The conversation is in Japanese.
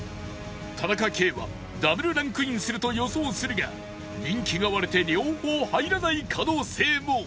田中圭は Ｗ ランクインすると予想するが人気が割れて両方入らない可能性も